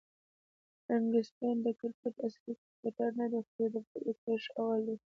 انټکنیسټ کرکټراصلي کرکټرنه دئ، خو د فرعي کښي اول دئ.